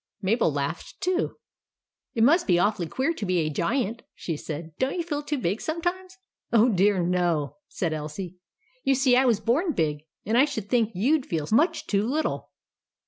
Mabel laughed too. " It must be awfully queer to be a Giant," she said. " Don't you feel too big some times ?"" Oh, dear, no," said Elsie. " You see I was born big ; and I should think you 'd feel much too little."